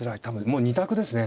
もう２択ですね。